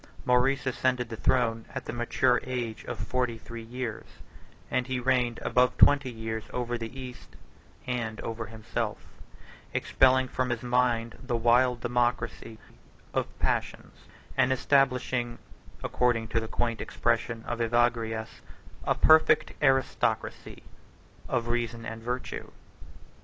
Maurice ascended the throne at the mature age of forty three years; and he reigned above twenty years over the East and over himself; 30 expelling from his mind the wild democracy of passions, and establishing (according to the quaint expression of Evagrius) a perfect aristocracy of reason and virtue.